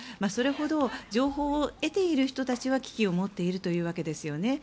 それほど情報を得ている人たちは危機を持っているというわけですよね。